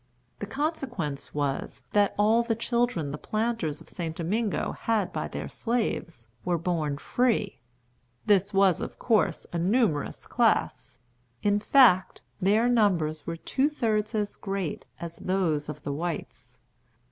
The consequence was, that all the children the planters of St. Domingo had by their slaves were born free. This was, of course, a numerous class. In fact, their numbers were two thirds as great as those of the whites.